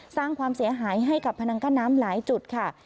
สร้างความเสียหายให้กับพนังกั้นน้ำหลายจุดค่ะ